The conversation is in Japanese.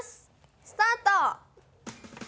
スタート！